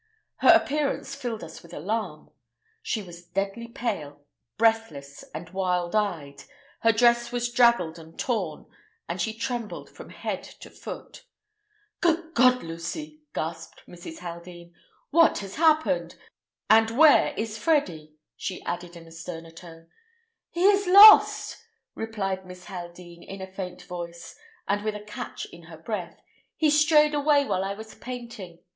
Her appearance filled us with alarm. She was deadly pale, breathless, and wild eyed; her dress was draggled and torn, and she trembled from head to foot. "Good God, Lucy!" gasped Mrs. Haldean. "What has happened? And where is Freddy?" she added in a sterner tone. "He is lost!" replied Miss Haldean in a faint voice, and with a catch in her breath. "He strayed away while I was painting.